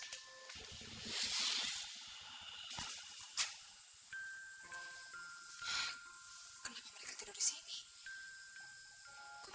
kenapa mereka tidur disini